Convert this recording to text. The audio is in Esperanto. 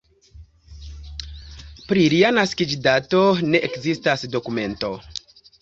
Pri lia naskiĝdato ne ekzistas dokumento.